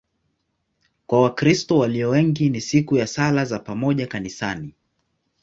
Kwa Wakristo walio wengi ni siku ya sala za pamoja kanisani.